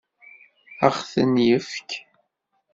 Ad ɣ-ten-yefk?